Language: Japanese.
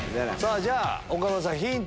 じゃあ岡村さんヒント